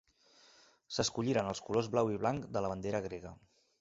S'escolliren els colors blau i blanc de la bandera grega.